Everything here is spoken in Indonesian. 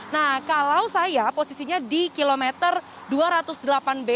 nah kalau saya posisinya di kilometer dua ratus delapan b